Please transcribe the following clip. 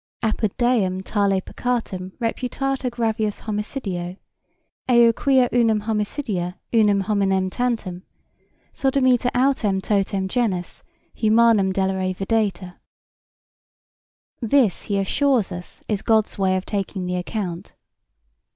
"Apud Deum tale peccatum reputatur gravius homicidio, eo quia unum homicida unum hominem tantum, Sodomita autem totum genus humanum delere videtur." This, he assures us, is God's way of taking the account.